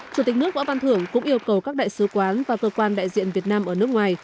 chủ tịch nước võ văn thưởng cũng yêu cầu các đại sứ quán và cơ quan đại diện việt nam ở nước ngoài